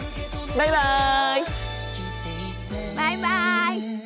バイバイ。